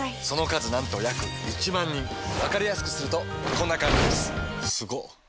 その数なんと約１万人わかりやすくするとこんな感じすごっ！